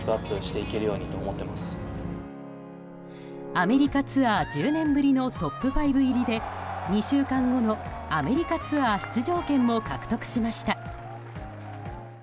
アメリカツアー１０年ぶりのトップ５入りで２週間後のアメリカツアー出場権も獲得しました。